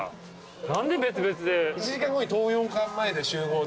何で別々で？